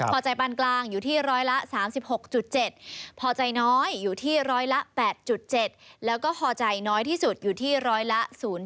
พอใจปานกลางอยู่ที่ร้อยละ๓๖๗พอใจน้อยอยู่ที่ร้อยละ๘๗แล้วก็พอใจน้อยที่สุดอยู่ที่ร้อยละ๐๗